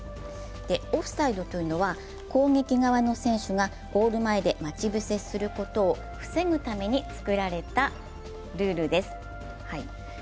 オフサイドというのは、攻撃側の選手が待ち伏せすることを防ぐために作られたルールです。